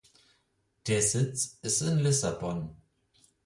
Der Sitz ist in Lissabon.